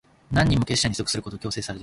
何人も、結社に属することを強制されない。